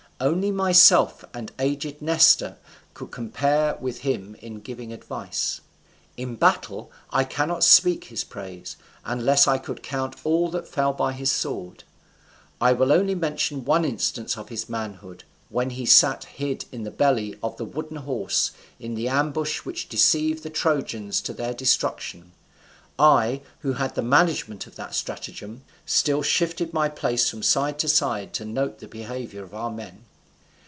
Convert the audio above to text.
Only myself and aged Nestor could compare with him in giving advice. In battle I cannot speak his praise, unless I could count all that fell by his sword. I will only mention one instance of his manhood. When we sat hid in the belly of the wooden horse, in the ambush which deceived the Trojans to their destruction, I, who had the management of that stratagem, still shifted my place from side to side to note the behaviour of our men.